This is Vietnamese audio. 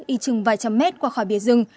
y chừng vài trăm mét qua khỏi bia rừng